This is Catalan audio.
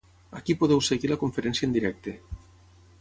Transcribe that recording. Ací podeu seguir la conferència en directe.